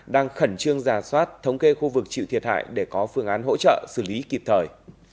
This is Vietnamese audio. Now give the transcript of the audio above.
đang khẩn trương giả soát thống kê khu vực chịu thiệt hại để có phương án hỗ trợ xử lý kịp thời